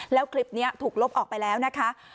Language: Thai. แล้วคลิปนี้ถูกลบออกไปแล้วนะคะ